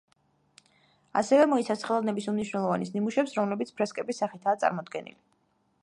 ასევე მოიცავს ხელოვნების უმნიშვნელოვანეს ნიმუშებს, რომლებიც ფრესკების სახითაა წარმოდგენილი.